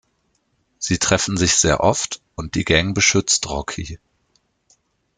Sie treffen sich sehr oft und die Gang beschützt Rocky.